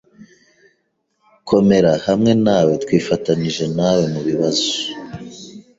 Komera hamwe nawe, twifatanije nawe mubibazo